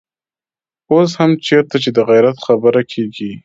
اوس هم چېرته چې د غيرت خبره کېږي.